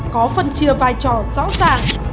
có phân chia vai trò rõ ràng